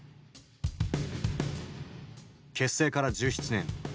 結成から１７年